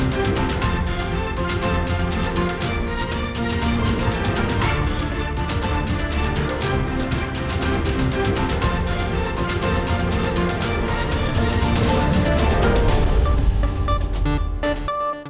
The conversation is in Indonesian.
terima kasih pak arief